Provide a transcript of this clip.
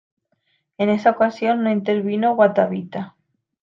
En esa ocasión no intervino Guatavita.